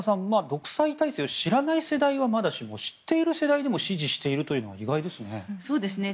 独裁体制を知らない世代はまだしも、知っている世代でも支持しているというのは意外ですね。